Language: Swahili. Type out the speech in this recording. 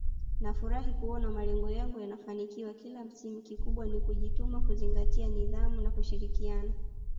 Nafurahi kuona malengo yangu yanafanikiwa kila msimu kikubwa ni kujituma kuzingatia nidhamu na kushirikiana